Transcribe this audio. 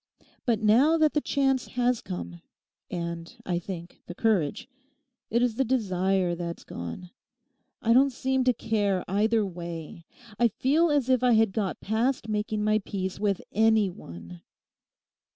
But now that the chance has come, and I think the courage, it is the desire that's gone. I don't seem to care either way. I feel as if I had got past making my peace with any one.